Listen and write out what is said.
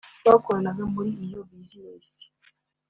bakoranaga muri iyo Business